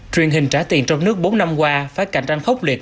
truyền hình trả tiền trong nước bốn năm qua phải cạnh tranh khốc liệt